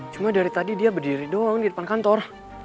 cuma dari tadi dia berdiri doang di depan kantor